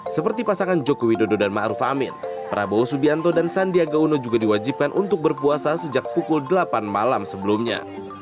seperti pasangan joko widodo dan ⁇ maruf ⁇ amin prabowo subianto dan sandiaga uno juga diwajibkan untuk berpuasa sejak pukul delapan malam sebelumnya